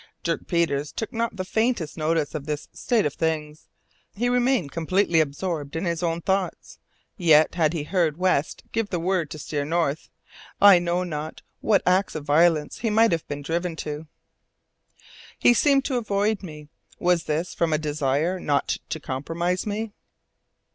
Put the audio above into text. Dirk Peters took not the faintest notice of this state of things. He remained completely absorbed in his own thoughts, yet, had he heard West give the word to steer north, I know not to what acts of violence he might have been driven. He seemed to avoid me; was this from a desire not to compromise me?